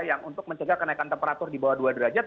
yang untuk mencegah kenaikan temperatur di bawah dua derajat